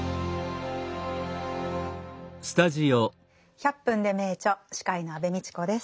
「１００分ｄｅ名著」司会の安部みちこです。